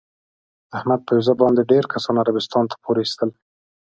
احمد په ویزه باندې ډېر کسان عربستان ته پورې ایستل.